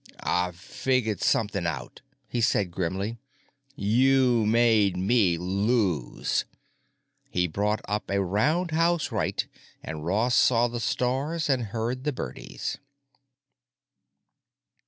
"I figured something out," he said grimly. "You made me lose." He brought up a roundhouse right, and Ross saw the stars and heard the birdies.